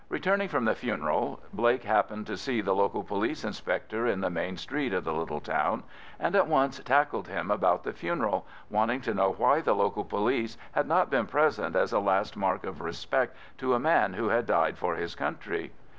Returning from the funeral, Blake happened to see the local police inspector in the main street of the little town, and at once tackled him about the funeral, wanting to know why the local police had not been present as a last mark of respect to a man who had died for his country.